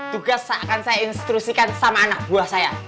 tugas akan saya instruksikan sama anak buah saya